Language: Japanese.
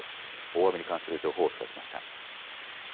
大雨に関する情報をお伝えしました。